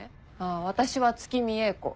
私は月見英子。